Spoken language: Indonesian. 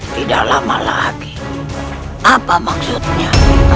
tidak lama lagi apa maksudnya